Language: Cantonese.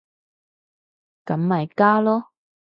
咁咪加囉